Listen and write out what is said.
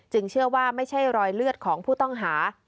เชื่อว่าไม่ใช่รอยเลือดของผู้ต้องหา